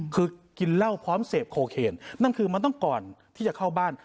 คือกินเหล้าพร้อมเสพโคเคนนั่นคือมันต้องก่อนที่จะเข้าบ้าน